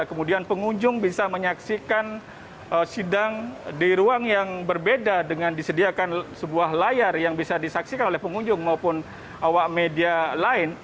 kemudian pengunjung bisa menyaksikan sidang di ruang yang berbeda dengan disediakan sebuah layar yang bisa disaksikan oleh pengunjung maupun awak media lain